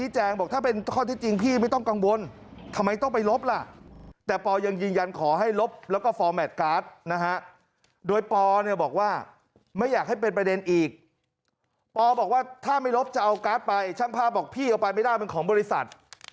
ช่างพราวต์บอกพี่เอาไปไม่ได้เป็นของบริษัท